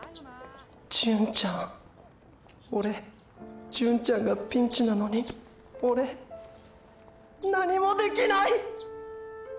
純ちゃんオレ純ちゃんがピンチなのにオレ何もできない！！